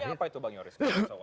hasilnya apa itu bang yoris